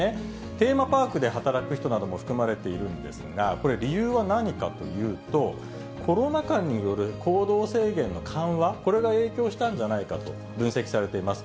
テーマパークで働く人なども含まれているんですが、これ、理由は何かというと、コロナ禍による行動制限の緩和、これが影響したんじゃないかと分析されています。